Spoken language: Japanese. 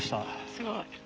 すごい。